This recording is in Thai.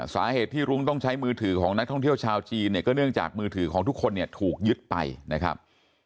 สาเหตุที่รุ้งต้องใช้มือถือของนักท่องเที่ยวชาวจีนเนี่ยก็เนื่องจากมือถือของทุกคนเนี่ยถูกยึดไปนะครับ